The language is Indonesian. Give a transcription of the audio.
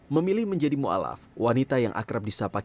memilih menjadi mu'alaf wanita yang akrab di sapa ketua